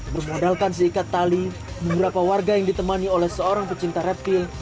bermodalkan seikat tali beberapa warga yang ditemani oleh seorang pecinta reptil